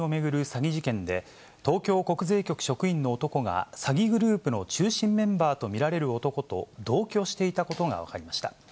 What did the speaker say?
詐欺事件で、東京国税局職員の男が、詐欺グループの中心メンバーと見られる男と同居していたことが分かりました。